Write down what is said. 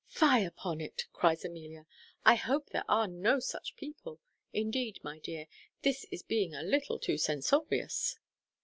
"Fie upon it!" cries Amelia. "I hope there are no such people. Indeed, my dear, this is being a little too censorious."